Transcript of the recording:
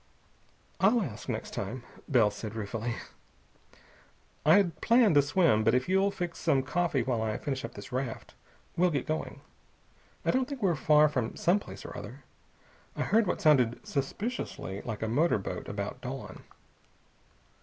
"I'll ask, next time," said Bell ruefully. "I'd planned a swim. But if you'll fix some coffee while I finish up this raft, we'll get going. I don't think we're far from some place or other. I heard what sounded suspiciously like a motor boat, about dawn."